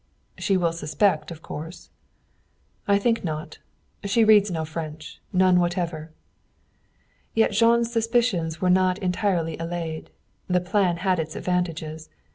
"She will suspect, of course." "I think not. And she reads no French. None whatever." Yet Jean's suspicions were not entirely allayed. The plan had its advantages.